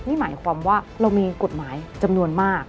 นี่หมายความว่าเรามีกฎหมายจำนวนมาก